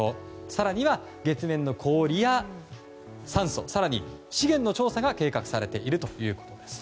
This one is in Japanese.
更には月面の氷や酸素更に資源の調査が計画されているということです。